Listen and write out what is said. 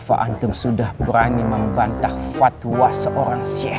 afa'antum sudah berani membantah fatwa seorang seh